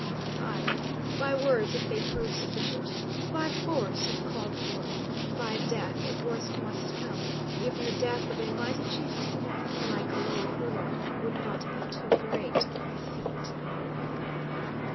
"Ay. By words if they prove sufficient. By force if called for. By death if worst must come; even the death of a mighty chieftain like Lord Hua would not be too great a feat."